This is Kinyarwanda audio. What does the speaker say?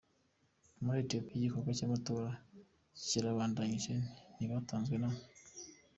Muri Ethiopie, igikorwa cy’amatora kirarimbanyije, ntibatanzwe n.